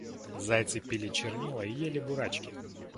Зайцы пили чернила и ели бурачки!